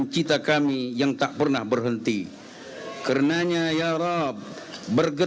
silakan pak kiai